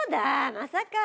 まさか。